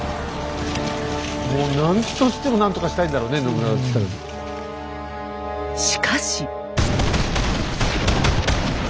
もう何としても何とかしたいんだろうね信長としたら。